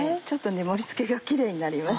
盛り付けがキレイになります。